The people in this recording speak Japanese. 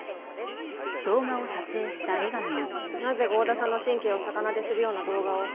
なぜ剛田さんの神経を逆なでするような動画を？